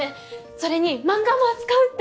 それに漫画も扱うって。